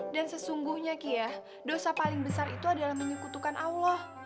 dan sesungguhnya ki ya dosa paling besar itu adalah menyekutukan allah